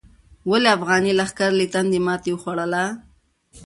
ولې افغاني لښکر له تندې ماتې خوړله؟